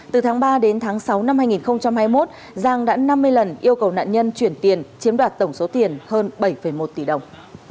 từ tháng ba đến tháng sáu năm hai nghìn hai mươi một giang đã năm mươi lần yêu cầu nạn nhân chuyển tiền chiếm đoạt tổng số tiền hơn bảy một tỷ đồng